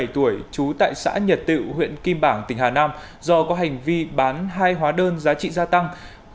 hai mươi tuổi trú tại xã nhật tự huyện kim bảng tỉnh hà nam do có hành vi bán hai hóa đơn giá trị gia tăng